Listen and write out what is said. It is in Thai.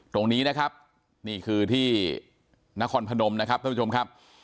ตรงนี้นะครับนี่คือที่นครพนมนะครับท่านผู้ชมครับ